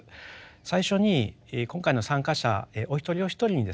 最初に今回の参加者お一人お一人にですね